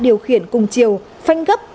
điều khiển cùng chiều phanh gấp